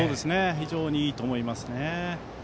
非常にいいと思いますね。